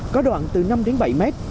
có đoạn từ năm đến một mươi km